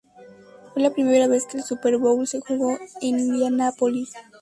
Fue la primera vez que el Super Bowl se jugó en Indianápolis.